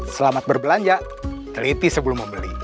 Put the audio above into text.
selamat berbelanja teliti sebelum membeli